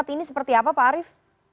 kondisi korban seperti apa pak arief